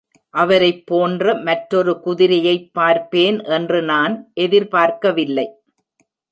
அவரைப் போன்ற மற்றொரு குதிரையைப் பார்ப்பேன் என்று நான் எதிர்பார்க்கவில்லை.